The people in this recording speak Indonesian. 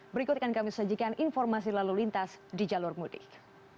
berikut kami sajikan informasi lalu lintas di jalur mudik